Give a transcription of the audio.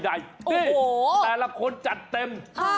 แต่ละคนจัดเต็ม